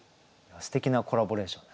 すてきなコラボレーションで。